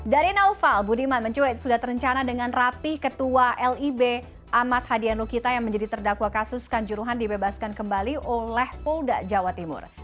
dari naufal budiman mencuit sudah terencana dengan rapi ketua lib ahmad hadianukita yang menjadi terdakwa kasus kanjuruhan dibebaskan kembali oleh polda jawa timur